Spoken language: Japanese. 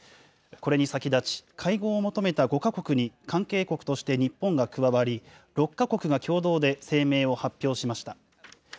これに先立ち、会合を求めた５か国に、関係国として日本が加わり、６か国が共同で声明を発表しました。